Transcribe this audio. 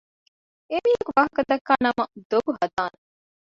އެމީހަކު ވާހަކަދައްކާ ނަމަ ދޮގު ހަދާނެ